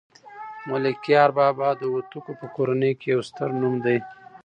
ملکیار بابا د هوتکو په کورنۍ کې یو ستر نوم دی